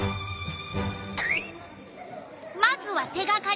まずは手がかりさがし。